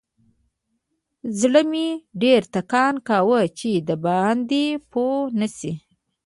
زړه مې ډېر ټکان کاوه چې راباندې پوه نسي.